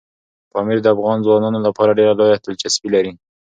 پامیر د افغان ځوانانو لپاره ډېره لویه دلچسپي لري.